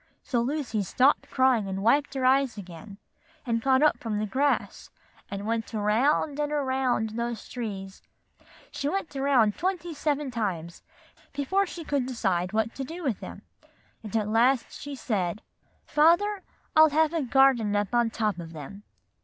So Lucy Ann stopped sobbing, and wiped her eyes again, and got up from the grass, and went around and around those trees; she went around twenty seven times before she could decide what she would do with them. And at last she said, 'Father, I'll have a garden up on top of them.